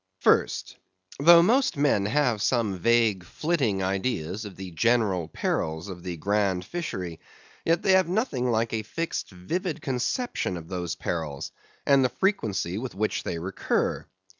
First: Though most men have some vague flitting ideas of the general perils of the grand fishery, yet they have nothing like a fixed, vivid conception of those perils, and the frequency with which they recur.